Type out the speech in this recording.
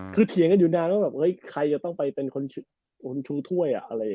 คือเทียงกันอยู่นานว่าใครจะต้องไปเป็นคนชูถ้วย